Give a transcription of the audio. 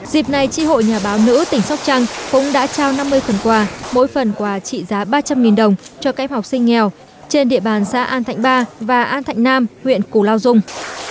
dịp này tri hội nhà báo nữ tỉnh sóc trăng cũng đã trao năm mươi phần quà mỗi phần quà trị giá ba trăm linh đồng cho các em học sinh nghèo trên địa bàn xã an thạnh ba và an thạnh nam huyện củ lao dung